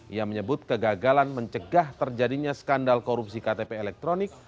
ia menyebut kegagalan mencegah terjadinya skandal korupsi ktp elektronik